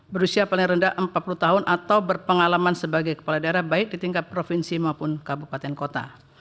berusia paling rendah empat puluh tahun atau berpengalaman sebagai kepala daerah baik di tingkat provinsi maupun kabupaten kota